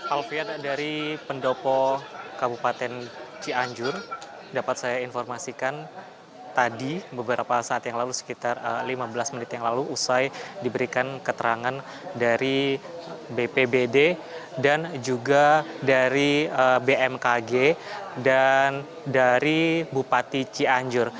alviat dari pendopo kabupaten cianjur dapat saya informasikan tadi beberapa saat yang lalu sekitar lima belas menit yang lalu usai diberikan keterangan dari bpbd dan juga dari bmkg dan dari bupati cianjur